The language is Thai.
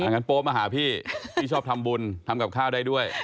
ก็ในจะเป็นมาหาพี่ชอบทำบุญทำกับข้าวได้ด้วย